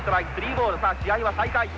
さあ試合は再開。